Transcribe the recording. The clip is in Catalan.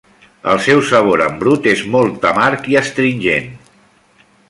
El seu sabor en brut és molt amarg i astringent.